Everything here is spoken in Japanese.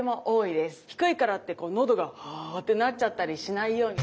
低いからってこう喉がハーッてなっちゃったりしないように。